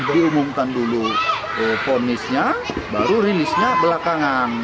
diumumkan dulu ponisnya baru rilisnya belakangan